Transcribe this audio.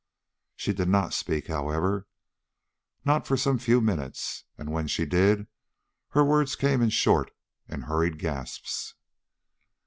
She did not speak, however, not for some few minutes, and when she did, her words came in short and hurried gasps.